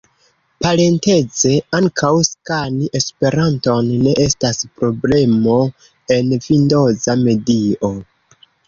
Parenteze, ankaŭ skani Esperanton ne estas problemo en vindoza medio.